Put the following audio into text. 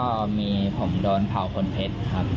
ก็มีผมโดนเผาขนเพชรครับ